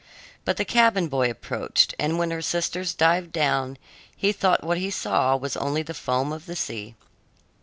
But the cabin boy approached, and when her sisters dived down, he thought what he saw was only the foam of the sea.